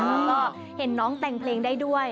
แล้วก็เห็นน้องแต่งเพลงได้ด้วย